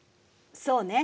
そうね。